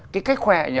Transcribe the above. cái cách khoe ấy nhỉ